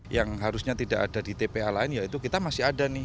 yang harusnya tidak ada di tpa lain ya itu kita masih ada nih